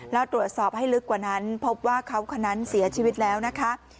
แล้วตรวจสอบให้ลึกกว่านั้นพบว่าเขาคนนั้นเสียชีวิตแล้วนะคะ